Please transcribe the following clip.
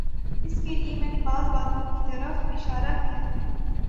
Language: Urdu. اس کے لیے میں نے بعض باتوں کی طرف اشارہ کیا ہے۔